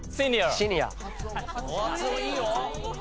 シニア。